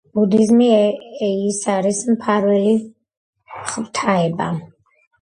ბუდიზმში ის არის მფარველი ღვთაება.